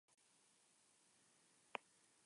La pareja no tuvo hijos conjuntamente.